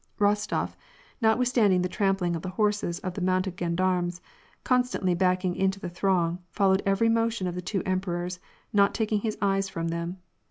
Rostof, notwithstanding the trampling of the horses of the mounted gendarmes constantly backing into the throng, fol lowed every motion of the two emperors, not taking his eyes from them.